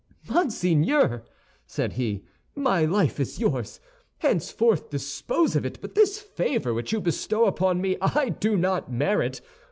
"Monseigneur," said he, "my life is yours; henceforth dispose of it. But this favor which you bestow upon me I do not merit.